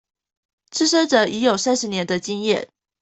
資深者已有三十年的經驗